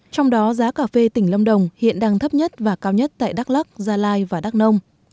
trong đó giá cà phê tỉnh lâm đồng hiện đang thấp nhất và cao nhất tại đắk lắc gia lai và đắk nông